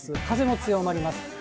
風も強まります。